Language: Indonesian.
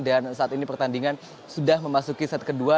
dan saat ini pertandingan sudah memasuki saat kedua